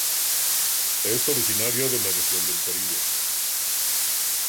Es originaria de la región del Caribe.